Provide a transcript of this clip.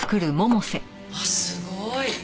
すごーい。